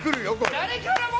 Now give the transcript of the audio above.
誰からも？